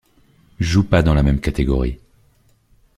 joue pas dans la même catégorie.